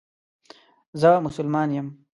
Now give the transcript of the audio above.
زه مسلمان یم